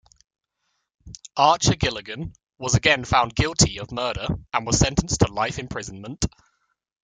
Archer-Gilligan was again found guilty of murder and was sentenced to life imprisonment.